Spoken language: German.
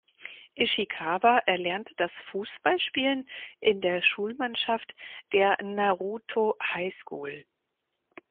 Ishikawa erlernte das Fußballspielen in der Schulmannschaft der "Naruto High School".